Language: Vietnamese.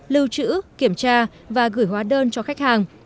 lưu trữ kiểm tra và gửi hóa đơn cho khách hàng